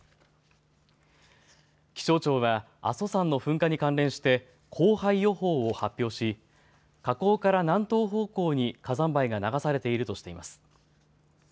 気象庁は阿蘇山の噴火に関連して降灰予報を発表し火口から南東方向に火山灰が流されているとしています。